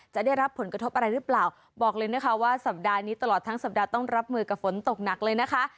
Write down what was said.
จะได้รับผลกระทบอะไรหรือเปล่าบอกเลยนะคะว่าสัปดาห์นี้ตลอดทั้งสัปดาห์ต้องรับมือกับฝนตกหนักเลยนะคะ